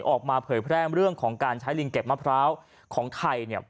ออกมาเผยแพร่เรื่องของการใช้ลิงเก็บมะพร้าวของไทยเนี่ย